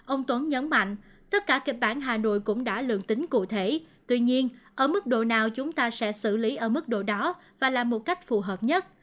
ông tuấn nhấn mạnh tất cả kịch bản hà nội cũng đã lường tính cụ thể tuy nhiên ở mức độ nào chúng ta sẽ xử lý ở mức độ đó và là một cách phù hợp nhất